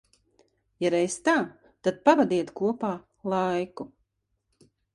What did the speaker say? Ja reiz tā, tad pavadiet kopā laiku.